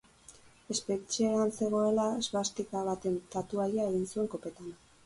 Espetxean zegoela, svastika baten tatuaia egin zuen kopetan.